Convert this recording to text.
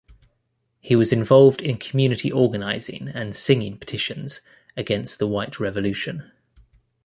He was involved in community organizing and signing petitions against the White Revolution.